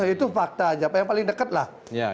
itu fakta saja yang paling dekatlah